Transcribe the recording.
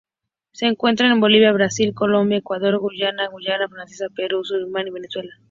Se encuentra en Bolivia, Brasil, Colombia, Ecuador, Guyana, Guayana francesa, Perú, Surinam y Venezuela.